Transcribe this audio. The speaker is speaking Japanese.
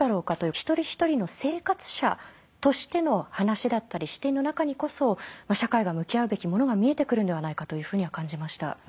一人一人の生活者としての話だったり視点の中にこそ社会が向き合うべきものが見えてくるんではないかというふうには感じました。